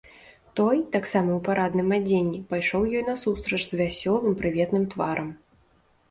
Той, таксама ў парадным адзенні, пайшоў ёй насустрач з вясёлым прыветным тварам.